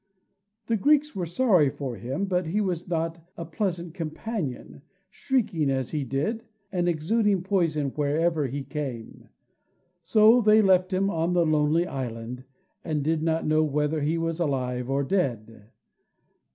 The Greeks were sorry for him, but he was not a pleasant companion, shrieking as he did, and exuding poison wherever he came. So they left him on the lonely island, and did not know whether he was alive or dead.